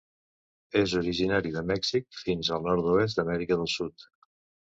És originari de Mèxic fins al nord-oest d'Amèrica del Sud.